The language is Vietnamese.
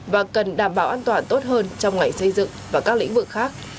và cần đảm bảo an toàn tốt hơn trong ngày xây dựng và các lĩnh vực khác